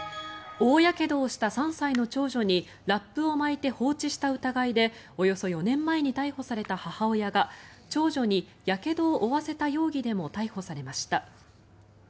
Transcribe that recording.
大やけどをした３歳の長女にラップをまいて放置した疑いでおよそ４年前に逮捕された母親が長女にやけどを負わせた容疑でも逮捕されました。